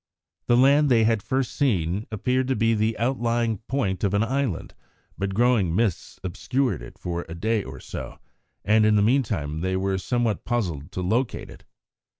The land they had first seen appeared to be the outlying point of an island, but growing mists obscured it for a day or so, and in the meantime they were somewhat puzzled to locate it.